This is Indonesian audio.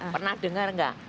pernah dengar nggak